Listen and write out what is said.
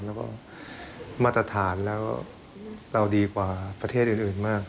แล้วก็มาตรฐานแล้วเราดีกว่าประเทศอื่นมาก